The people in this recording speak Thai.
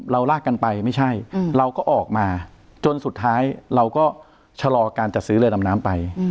ลากกันไปไม่ใช่เราก็ออกมาจนสุดท้ายเราก็ชะลอการจัดซื้อเรือดำน้ำไป